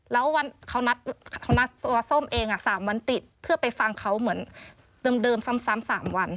แล้ววันนู้นวันนั้นนัดตัวส้มเองสามวันติดเพื่อไปฟังเขาเหมือนเดิมสามวัน